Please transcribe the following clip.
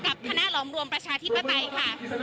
กับคณะหล่อมรวมประชาที่ประไตย